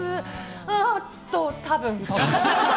あっと、たぶん。